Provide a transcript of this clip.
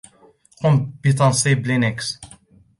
قم بتنصيب لينكس!